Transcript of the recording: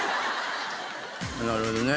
なるほどね。